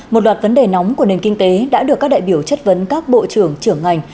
một loạt vấn đề nóng của nền kinh tế đã được các đại biểu chất vấn các bộ trưởng trưởng ngành